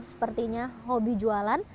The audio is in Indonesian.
sepertinya hobi jualan